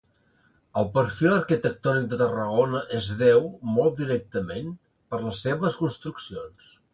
El perfil arquitectònic de Tarragona es deu, molt directament, per les seves construccions.